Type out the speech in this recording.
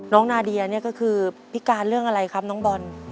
นาเดียนี่ก็คือพิการเรื่องอะไรครับน้องบอล